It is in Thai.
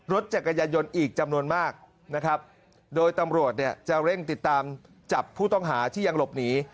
จักรยายนต์อีกจำนวนมากนะครับโดยตำรวจเนี่ยจะเร่งติดตามจับผู้ต้องหาที่ยังหลบหนี